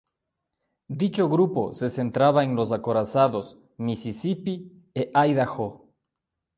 Dicho grupo se centraba en los acorazados "Mississippi" e "Idaho".